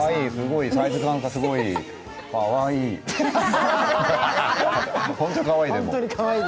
サイズ感がすごくいい、かわいい。